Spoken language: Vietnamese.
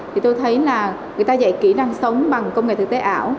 thì tôi thấy là người ta dạy kỹ năng sống bằng công nghệ thực tế ảo